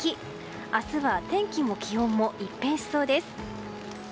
明日は天気も気温も一変しそうです。